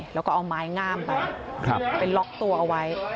แล้วก็เอาไม้งามไปไปล็อกตัวเอาไว้